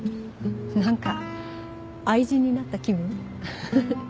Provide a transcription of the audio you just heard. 何か愛人になった気分？